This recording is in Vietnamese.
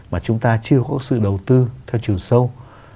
mà chúng ta chưa có sự đầu tư theo chiều sâu